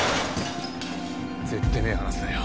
絶対目離すなよ。